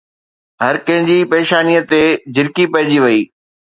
هر ڪنهن جي پيشانيءَ تي جهرڪي پئجي وئي